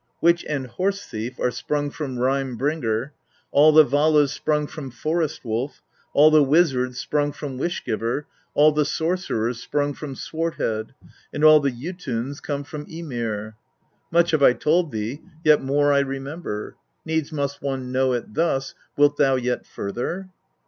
Witch and Horse thief are sprung from Rime bringer, 6. All the Valas sprung from Forest wolf, all the wizards sprung from Wish giver, all the sorcerers sprung from Swart head ; and all the Jotuns come from Ymir. 7. Much have I told thee, yet more I remember; needs must one know it thus, wilt thou yet further